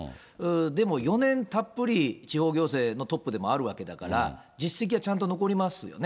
でも４年たっぷり地方行政のトップでもあるわけだから、実績はちゃんと残りますよね。